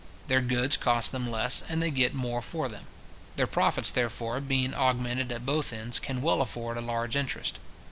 Their goods cost them less, and they get more for them. Their profits, therefore, being augmented at both ends, can well afford a large interest.